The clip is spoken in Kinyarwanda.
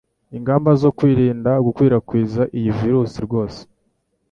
ingamba zo kwirinda gukwirakwiza iyi virus rwose